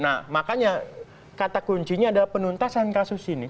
nah makanya kata kuncinya adalah penuntasan kasus ini